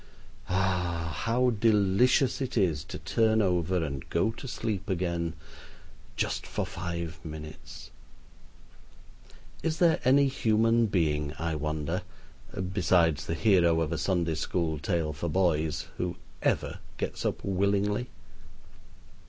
Ah! how delicious it is to turn over and go to sleep again: "just for five minutes." Is there any human being, I wonder, besides the hero of a Sunday school "tale for boys," who ever gets up willingly?